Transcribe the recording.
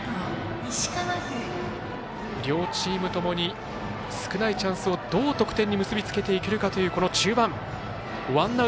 両チームともに少ないチャンスを、どう得点に結び付けていけるかという中盤。